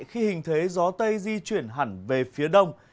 khi hình thế gió tây di chuyển hẳn về phía đông